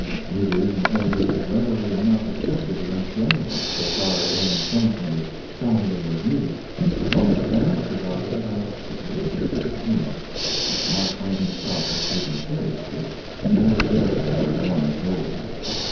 Readers and editors readily enough accepted it as genuine, so far as having come from The Saturday Review; but most of them, regarded it as a delicious bit of humor which Mark Twain himself had taken seriously, and was therefore the one sold.